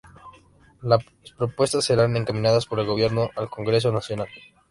Las propuestas serán encaminadas por el gobierno al Congreso Nacional.